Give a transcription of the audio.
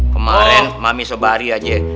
kemarin mami sobari aja